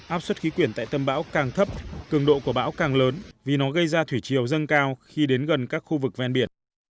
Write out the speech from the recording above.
áp suất khí quyển tại tâm bão càng thấp cường độ của bão càng lớn vì nó gây ra thủy chiều dâng cao khi đến gần các khu vực ven biển